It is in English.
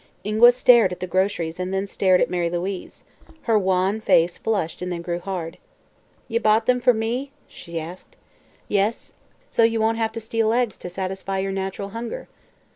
Ingua stared at the groceries and then stared at Mary Louise. Her wan face flushed and then grew hard. "Ye bought them fer me?" she asked. "Yes; so you won't have to steal eggs to satisfy your natural hunger."